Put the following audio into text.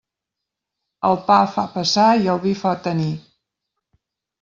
El pa fa passar i el vi fa tenir.